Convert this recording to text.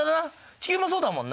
地球もそうだもんな。